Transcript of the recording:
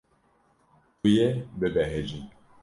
Tu yê bibehecî.